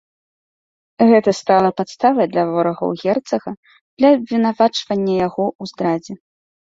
Гэта стала падставай для ворагаў герцага для абвінавачвання яго ў здрадзе.